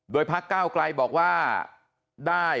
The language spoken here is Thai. โดยภักร์ก้าวกลัยบอกว่าได้